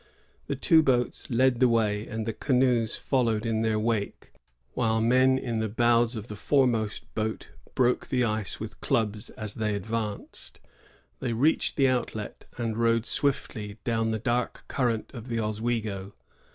The two boats led the way, and the csmoes followed in their wake, while men in the bows of the foremost boat broke the ice with clubs as they advanced. They reached the outlet and rowed swiftly down the dark current of the Oswego.